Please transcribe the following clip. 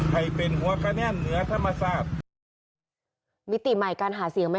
ให้เป็นหัวกระแนบเหนือธรรมชาติมิติใหม่การหาเสียงไหมค